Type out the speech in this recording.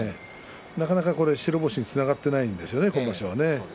なかなか白星につながっていないんですね、今場所は。